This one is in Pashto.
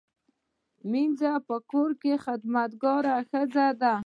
مینځه په کور کې خدمتګاره ښځه ده